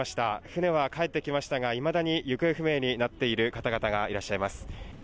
船は帰ってきましたが、いまだに行方不明になっている方々がいらっしゃいます。